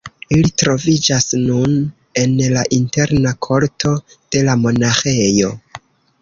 Ili troviĝas nun en la interna korto de la monaĥejo.